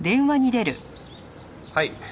はい。